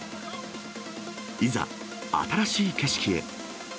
いざ、新しい景色へ。